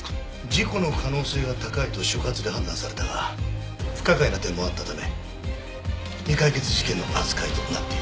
事故の可能性が高いと所轄で判断されたが不可解な点もあったため未解決事件の扱いとなっていたようだ。